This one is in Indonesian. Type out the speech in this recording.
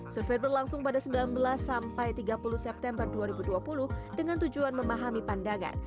survei berlangsung pada sembilan belas sampai tiga puluh september dua ribu dua puluh dengan tujuan memahami pandangan